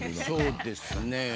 そうですね。